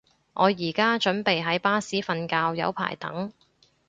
我而家準備喺巴士瞓覺，有排等